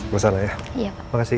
masalah ya makasih